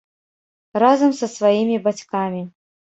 Разам са сваімі бацькамі.